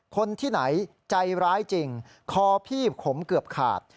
คนที่ไหนใจร้ายจริงคอพี่ผมเกือบขาด